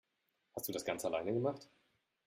Hast du das ganz alleine gemacht?